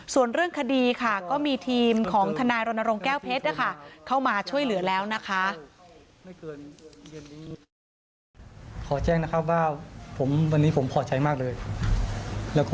ส่วนเรื่องคดีค่ะก็มีทีมของทนายรณรงค์แก้วเพชรเข้ามาช่วยเหลือแล้วนะคะ